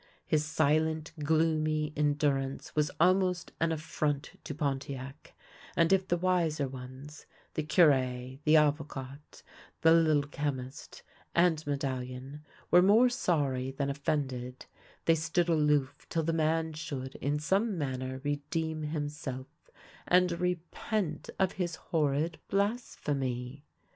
His silent, gloomy endurance was almost an afYront to Pontiac ; and if the wiser ones, the Cure, the Avocat, the Little Chemist, THE LITTLE BELL OF HONOUR 117 and Medallion, were more sorry than offended, they stood aloof till the man should in some manner redeem himself, and repent of his horrid blasphemy.